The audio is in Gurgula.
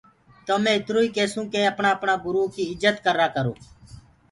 تو مي اِتر ئي ڪيسونٚ ڪي اپڻآ اپڻآ گُرئو ڪي ڀوت اِجت ڪررآ ڪرو۔